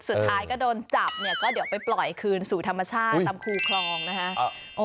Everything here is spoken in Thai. สุดท้ายก็โดนจับเนี่ยก็เดี๋ยวไปปล่อยคืนสู่ธรรมชาติตามคูคลองนะฮะ